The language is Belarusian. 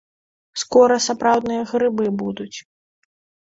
Скора сапраўдныя грыбы будуць.